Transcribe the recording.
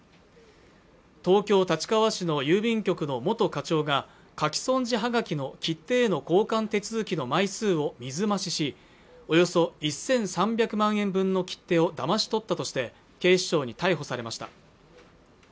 東京・立川市の郵便局の元課長が書き損じはがきの切手への交換手続きの枚数を水増ししおよそ１３００万円分の切手をだまし取ったとして警視庁に逮捕されました